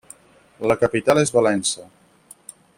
La capital és Valença.